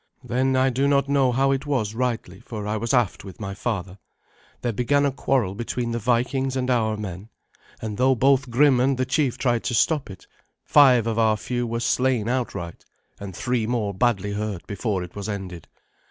Then, I do not know how it was rightly, for I was aft with my father, there began a quarrel between the Vikings and our men; and though both Grim and the chief tried to stop it, five of our few were slain outright, and three more badly hurt before it was ended.